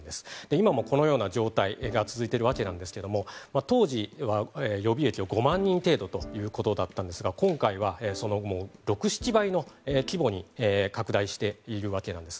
今もこのような状態が続いてるわけなんですけども当時は予備役を５万人程度ということだったんですが今回はその６７倍の規模に拡大しているわけなんです。